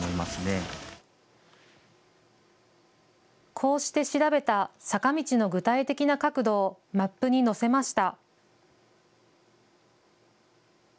こうして調べた坂道の具体的な角度をマップに載せました。